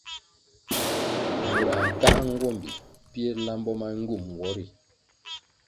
Murãh nkáʼa nguombi pir lambo ma ngywum nwo ri.